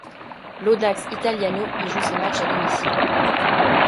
L'Audax Italiano y joue ses matchs à domicile.